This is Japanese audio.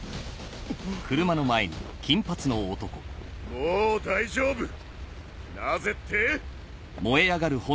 もう大丈夫なぜって？